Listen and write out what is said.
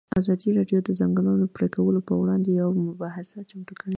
ازادي راډیو د د ځنګلونو پرېکول پر وړاندې یوه مباحثه چمتو کړې.